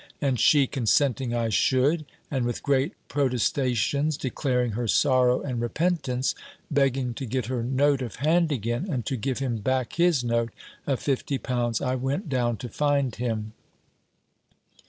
And she consenting I should, and, with great protestations, declaring her sorrow and repentance, begging to get her note of hand again, and to give him back his note of fifty pounds, I went down to find him.